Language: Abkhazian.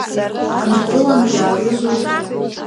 Гыртәылантә иаарызу?